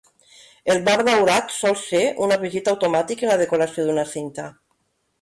El marc daurat sol ser un afegit automàtic en la decoració d'una cinta.